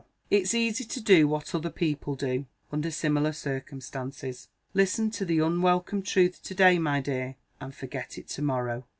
it's easy to do what other people do, under similar circumstances. Listen to the unwelcome truth to day, my dear; and forget it to morrow."